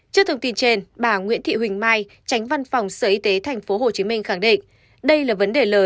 trước thông tin trên bà nguyễn thị huỳnh mai tránh văn phòng sở y tế tp hcm khẳng định